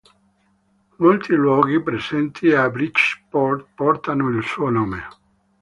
Molti luoghi presenti a Bridgeport portano il suo nome.